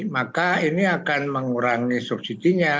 maka ini akan mengurangi subsidi nya